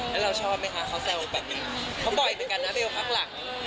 แล้วเราชอบไหมคะเค้าแซวแบบนี้เค้าบ่อยเหมือนกันแล้วไม่เอาคักหลัง